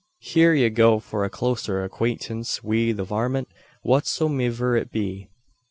Hyur go for a cloaster akwaintance wi' the varmint, whatsomiver it be."